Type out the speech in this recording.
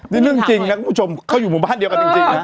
นี่เรื่องจริงนะคุณผู้ชมเขาอยู่หมู่บ้านเดียวกันจริงนะ